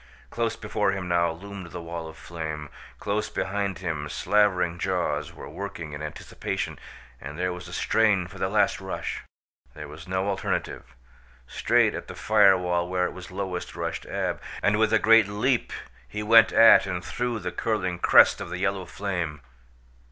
Close before him now loomed the wall of flame. Close behind him slavering jaws were working in anticipation, and there was a strain for the last rush. There was no alternative. Straight at the fire wall where it was lowest rushed Ab, and with a great leap he went at and through the curling crest of the yellow flame!